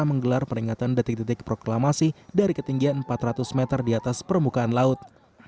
menggelar peringatan detik detik proklamasi dari ketinggian empat ratus meter di atas permukaan laut